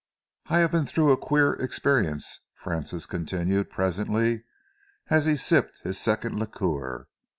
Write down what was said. "I have been through a queer experience," Francis continued presently, as he sipped his second liqueur.